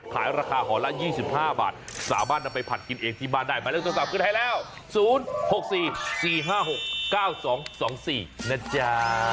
ขายราคาห่อละ๒๕บาทสามารถนำไปผัดกินเองที่บ้านได้หมายเลขโทรศัพท์ขึ้นให้แล้ว๐๖๔๔๕๖๙๒๒๔นะจ๊ะ